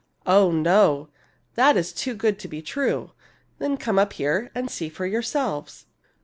" Oh, no ! That is too good to be true." " Then come up here and see for yourselves."